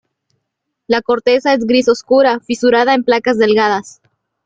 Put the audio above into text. La corteza es gris oscura, fisurada en placas delgadas.